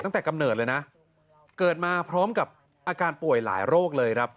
ตั้งแต่กำเนิดเลยนะเกิดมาพร้อมกับอาการป่วยหลายโรคเลย